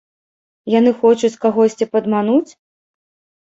Яны хочуць кагосьці падмануць?